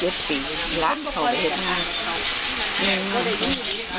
รับจ้างทำงานน่ะ